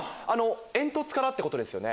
煙突からってことですよね。